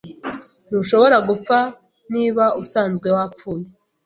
Ntushobora gupfa niba usanzwe wapfuye.